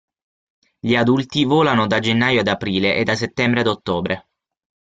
Gli adulti volano da gennaio ad aprile e da settembre ad ottobre.